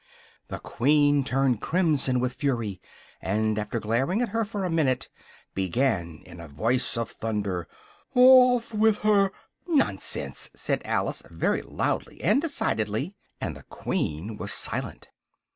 The Queen turned crimson with fury, and, after glaring at her for a minute, began in a voice of thunder "off with her " "Nonsense!" said Alice, very loudly and decidedly, and the Queen was silent.